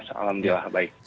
selamat malam baik